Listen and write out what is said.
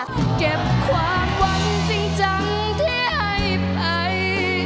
เก็บความหวังจริงจังที่ให้ไป